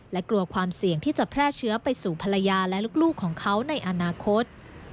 และกลัวความเสี่ยงที่จะแพร่เชื้อไปสู่ภรรยาและลูกของเขาในอนาคต